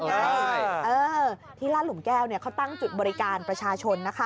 ใช่ที่ลาดหลุมแก้วเขาตั้งจุดบริการประชาชนนะคะ